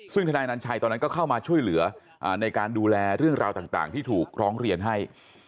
ซึ่งธนายนันชัยตอนนั้นก็เข้ามาช่วยเหลือในการดูแลเรื่องราวต่างที่ถูกร้องเรียนให้